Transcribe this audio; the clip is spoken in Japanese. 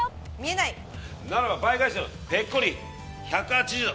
ならば倍返しのぺっこり１８０度。